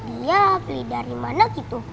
dia beli dari mana gitu